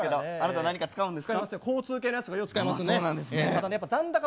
あなた何か違うんですか。